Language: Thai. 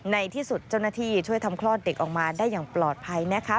ในที่สุดเจ้าหน้าที่ช่วยทำคลอดเด็กออกมาได้อย่างปลอดภัยนะคะ